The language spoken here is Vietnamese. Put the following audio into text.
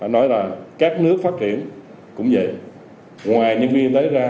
nói là các nước phát triển cũng vậy ngoài nhân viên y tế ra